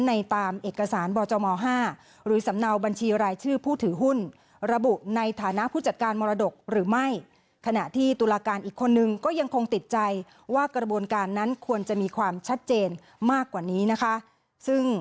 ในตามเอกสารบม๕หรือสำเนาบัญชีรายชื่อผู้ถือหุ้น